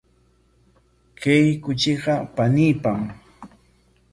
Kay kuchiqa paniipam.